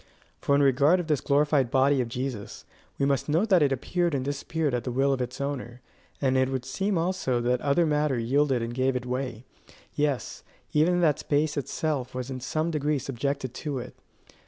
For in regard of this glorified body of Jesus, we must note that it appeared and disappeared at the will of its owner; and it would seem also that other matter yielded and gave it way; yes, even that space itself was in some degree subjected to it.